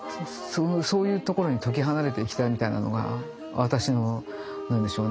そういうところに解き放たれていきたいみたいなのが私の何でしょうね